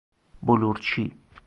بلورچی